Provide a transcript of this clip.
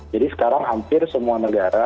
jadi sekarang hampir semua negara